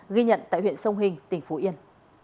ghi nhận tại huyện sông hình tỉnh phú yên